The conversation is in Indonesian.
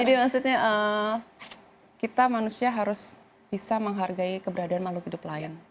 maksudnya kita manusia harus bisa menghargai keberadaan makhluk hidup lain